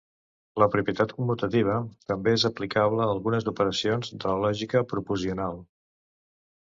La propietat commutativa també és aplicable a algunes operacions de la lògica proposicional.